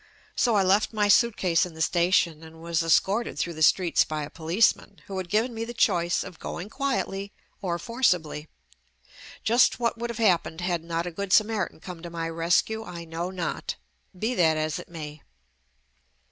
So I left my suitcase in the station and was escorted through the streets by a policeman, who had given me the choice of going quietly or forcibly. Just what would have happened had not a Good Samari tan come to my rescue, I know not. Be that as it may.